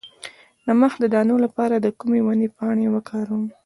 د مخ د دانو لپاره د کومې ونې پاڼې وکاروم؟